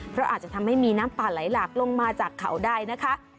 เพราะอาจจะทำให้มีน้ำป่าไหลหลากลงมาจากเขาได้นะคะ